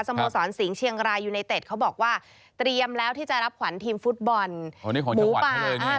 โมสรสิงห์เชียงรายยูไนเต็ดเขาบอกว่าเตรียมแล้วที่จะรับขวัญทีมฟุตบอลหมูป่า